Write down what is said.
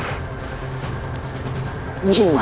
nyimas tidak tahu kalau kisoma adalah anak buah nyirompang nyimas